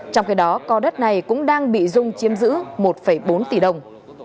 trong khi đó co đất này cũng đang bị dung chiếm giữ một bốn tỷ đồng